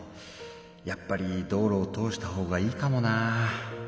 やっぱり道路を通したほうがいいかもなぁ。